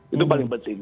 itu paling penting